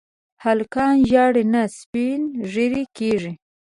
هلکان ژاړي نه، سپين ږيري کيږي.